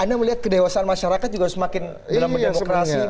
anda melihat kedewasan masyarakat juga semakin dalam mendemokrasi